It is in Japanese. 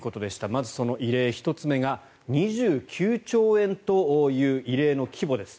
まず、その異例１つ目が２９兆円という異例の規模です。